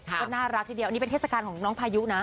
ก็น่ารักทีเดียวอันนี้เป็นเทศกาลของน้องพายุนะ